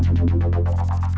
kau udah kocok dia